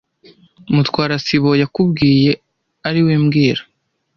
Mutwara sibo yakubwiye ari we mbwira